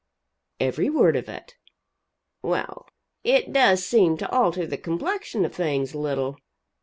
"Every word of it." "Well it does seem to alter the complexion of things a little.